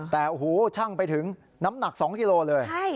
แต่ชั่งไปถึงน้ำหนัก๒กิโลเลย